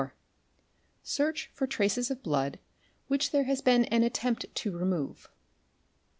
—Search for traces of blood which there has been an attempt to remove.